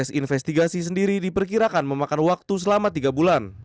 proses investigasi sendiri diperkirakan memakan waktu selama tiga bulan